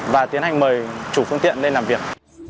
và tiến hành mời chủ phương tiện lên làm việc